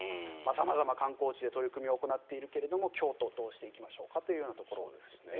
様々、観光地で取り組みを行っているけれど京都、どうしていきましょうかというところですね。